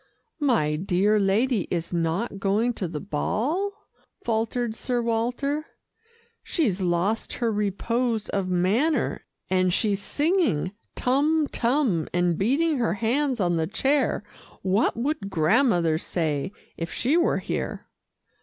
"My dear lady is not going to the ball," faltered Sir Walter "she's lost her repose of manner, and she's singing, 'Tum Tum,' and beating her hands on the chair what would Grandmother say, if she were here?"